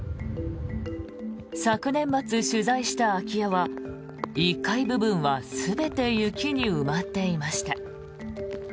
昨年末取材した空き家は１階部分は全て雪に埋まっていました。